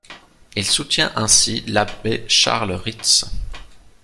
Il soutient ainsi l'abbé Charles Ritz.